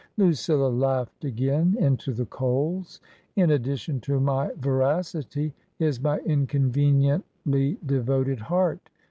Lucilla laughed again into the coals. " In addition to my veracity is my inconveniently de voted heart.